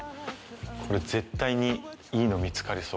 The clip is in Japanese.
これ絶対にいいの見つかりそう。